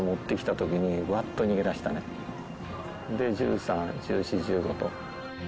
で１３１４１５と。